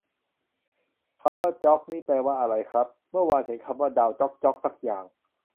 คำว่าจ๊อกนี่แปลว่าอะไรครับ เมื่อวานเห็นคำว่าดาวจ๊อกจ๊อกสักอย่าง